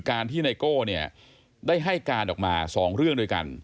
การที่ไนโก้เนี่ยได้ให้การออกมา๒เรื่องด้วยกัน